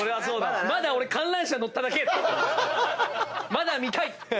まだ見たい！